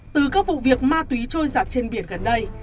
từ các vụ việc ma túy trôi giặt trên biển gần đây